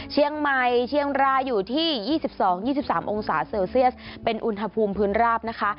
เชียงรายเชียงรายอยู่ที่๒๒๒๓องศาเซลเซียสเป็นอุณหภูมิพื้นราบนะคะ